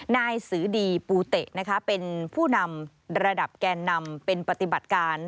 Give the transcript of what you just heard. นายสือดีปูเตะนะคะเป็นผู้นำระดับแกนนำเป็นปฏิบัติการ